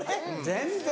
全然！